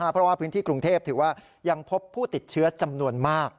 เพราะว่าพื้นที่กรุงเทพถือว่ายังพบผู้ติดเชื้อจำนวนมาก